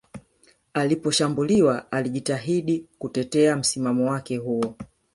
Aliposhambuliwa alijitahidi kutetea msimamo wake huo